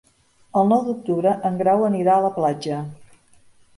El nou d'octubre en Grau anirà a la platja.